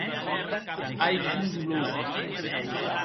Ai, quin dolor!